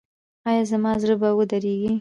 ایا زما زړه به ودریږي؟